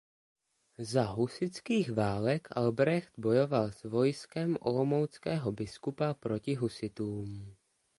Za husitských válek Albrecht bojoval s vojskem olomouckého biskupa proti husitům.